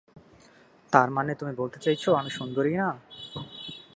তারমানে তুমি বলতে চাইছো আমি সুন্দরী না?